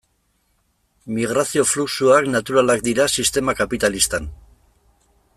Migrazio fluxuak naturalak dira sistema kapitalistan.